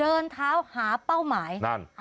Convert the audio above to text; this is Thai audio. เดินเท้าหาเป้าหมายนั่น